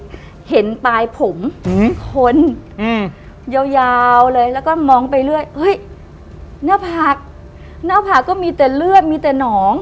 โทรศัพท์พลิกเห็นปลายผมคนยาวยาวเลยแล้วก็มองไปเรื่อยนะพากษ์น้าก็มีแต่เลือดมีแต่หนอง